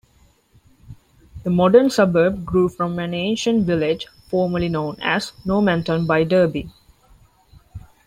The modern suburb grew from an ancient village, formerly known as Normanton-by-Derby.